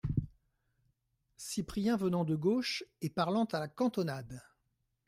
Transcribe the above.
Cyprien venant de gauche et parlant à la cantonade.